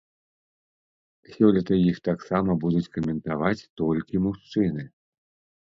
Сёлета іх таксама будуць каментаваць толькі мужчыны.